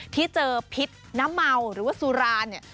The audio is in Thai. ที่เจอพิษน้ำเมาหรือว่าสุรานเนี่ย